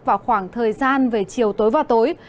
vào khoảng thời gian về chiều tối và tối